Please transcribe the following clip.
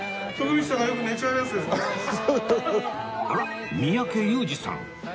あらっ三宅裕司さん